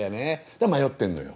だから迷ってんのよ。